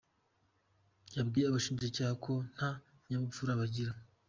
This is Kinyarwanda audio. Yabwiye abashinjacyaha ko nta kinyabupfura bagira